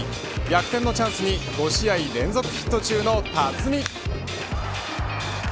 逆転のチャンスに５試合連続ヒット中の辰己